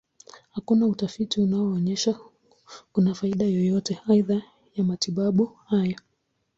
Hakuna utafiti unaonyesha kuna faida yoyote aidha ya matibabu haya.